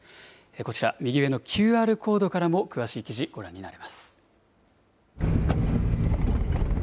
こちら、右上のＱＲコードからも詳しい記事、ご覧になれます。